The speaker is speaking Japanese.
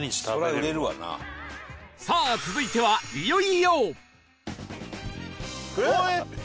さあ続いてはいよいよえっ！